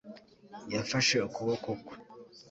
yafashe ukuboko kwe